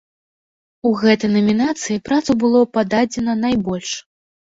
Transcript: У гэтай намінацыі працаў было пададзена найбольш.